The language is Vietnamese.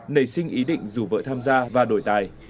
nảy sinh ý định dù vợ tham gia và đổi tài